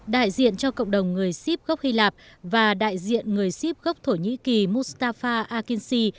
đại diện cho cộng đồng người sip gốc hy lạp và đại diện người sip gốc thổ nhĩ kỳ mustafa akinci